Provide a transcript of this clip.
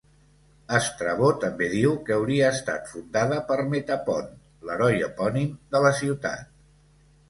Estrabó també diu que hauria estat fundada per Metapont, l'heroi epònim de la ciutat.